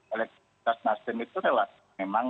elektrik nasdem itu memang